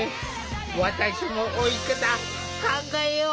私も老い方考えよう。